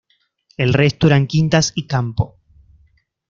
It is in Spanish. El resto eran quintas y campo.